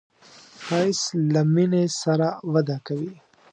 ښایست له مینې سره وده کوي